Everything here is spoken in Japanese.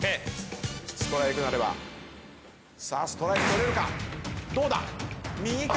ストライクなればさあストライク取れるか⁉どうだ⁉右か？